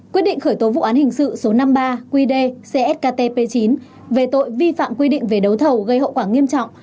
một quyết định khởi tố vụ án hình sự số năm mươi ba quy đề csktp chín về tội vi phạm quy định về đấu thầu gây hậu quả nghiêm trọng